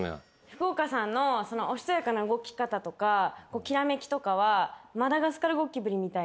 福岡さんのおしとやかな動きとかきらめきとかはマダガスカルゴキブリみたい。